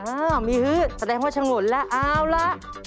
อ้าวมีฮืดแสดงว่าฉงนแล้วเอาล่ะ